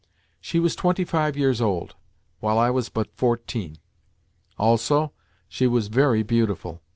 She was twenty five years old, while I was but fourteen. Also, she was very beautiful.